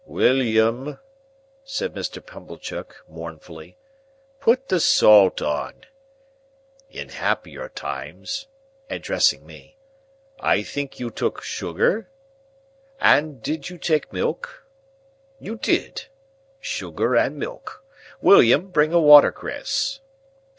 "William," said Mr. Pumblechook, mournfully, "put the salt on. In happier times," addressing me, "I think you took sugar? And did you take milk? You did. Sugar and milk. William, bring a watercress."